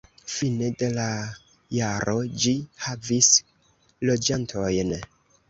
Fine de la jaro ĝi havis loĝantojn.